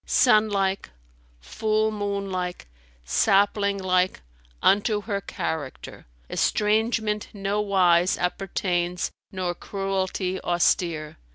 Sun like, full moon like, sapling like, unto her character * Estrangement no wise appertains nor cruelty austere.